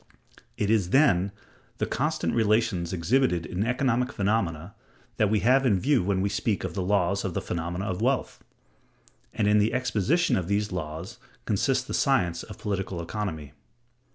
It is, then, the constant relations exhibited in economic phenomena that we have in view when we speak of the laws of the phenomena of wealth; and in the exposition of these laws consists the science of political economy."